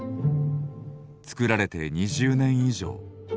作られて２０年以上。